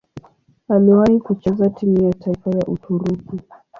Aliwahi kucheza timu ya taifa ya Uturuki.